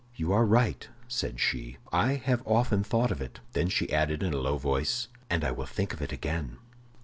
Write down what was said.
"You are right," said she, "I have often thought of it." Then she added in a low voice, "And I will think of it again."